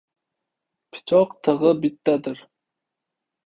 Pichoq tig‘i bittadir.